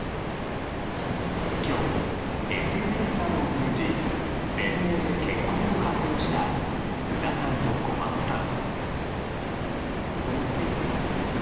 今日、ＳＮＳなどを通じ連名で結婚を発表した菅田さんと小松さん。